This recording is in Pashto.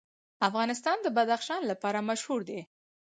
افغانستان د بدخشان لپاره مشهور دی.